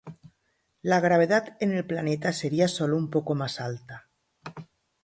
La gravedad en el planeta sería solo un poco más alta.